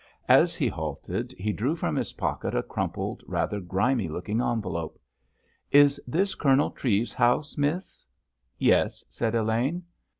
As he halted he drew from his pocket a crumpled, rather grimy looking envelope. "Is that Colonel Treves's house, miss?" "Yes," said Elaine.